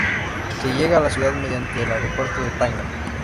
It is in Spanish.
Se llega a la ciudad mediante el aeropuerto de Tanga.